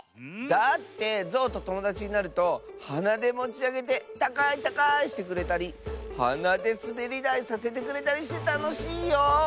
だってゾウとともだちになるとはなでもちあげてたかいたかいしてくれたりはなですべりだいさせてくれたりしてたのしいよ。